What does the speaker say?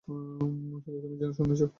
শুধু তুমি শুনেছো।